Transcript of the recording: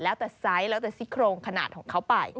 แล้วแต่ไซส์แล้วแต่ซิโครงขนาดของเขาไป